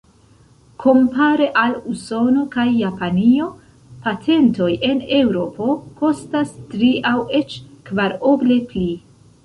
Kompare al Usono kaj Japanio, patentoj en Eŭropo kostas tri aŭ eĉ kvaroble pli.